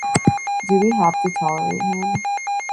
Do we have to tolerate him?